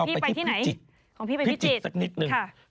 ไปที่พิจิตย์สักนิดหนึ่ง